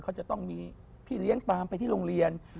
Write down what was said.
เขาจะต้องมีพี่เลี้ยงตามไปที่โรงเรียน